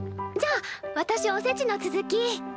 じゃあ私おせちの続き。